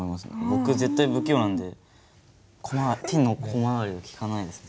僕絶対不器用なんで手の小回りが利かないです。